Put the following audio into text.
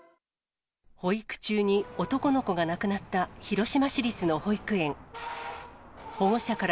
保育中に男の子が亡くなった広島市立の保育園。